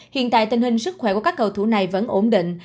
hiện tại tình hình sức khỏe của các cầu thủ này vẫn ổn định